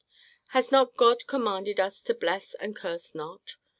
Has not God commanded us to bless and curse not?